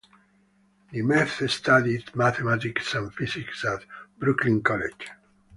Nemeth studied mathematics and physics at Brooklyn College.